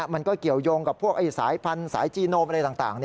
มันก็เกี่ยวยงกับพวกสายพันธุ์สายจีโนมอะไรต่าง